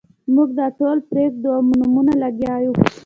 موږ دا ټول پرېږدو او په نومونو لګیا یو.